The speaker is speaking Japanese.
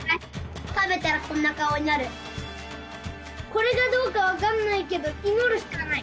これがどうかわかんないけどいのるしかない。